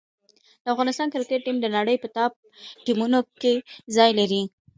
د افغانستان کرکټ ټیم د نړۍ په ټاپ ټیمونو کې ځای لري.